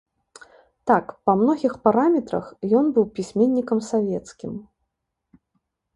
Так, па многіх параметрах ён быў пісьменнікам савецкім.